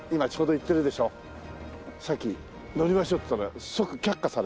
さっき乗りましょうって言ったら即却下されましたけど。